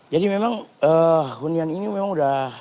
jadi memang hunian ini memang udah